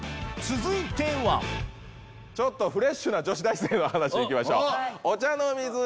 続いてはちょっとフレッシュな女子大生の話いきましょうです